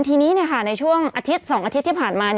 ทีนี้ในช่วงอาทิตย์๒อาทิตย์ที่ผ่านมา